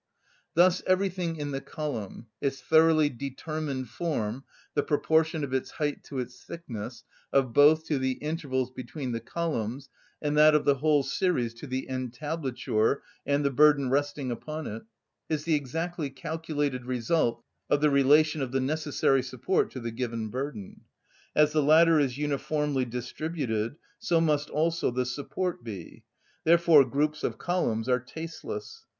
Thus everything in the column, its thoroughly determined form, the proportion of its height to its thickness, of both to the intervals between the columns, and that of the whole series to the entablature and the burden resting upon it, is the exactly calculated result of the relation of the necessary support to the given burden. As the latter is uniformly distributed, so must also the support be; therefore groups of columns are tasteless.